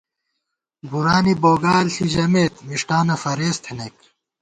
بُرانی بوگال ݪِی ژَمېت ، مِݭٹانہ فرېز تھنَئیک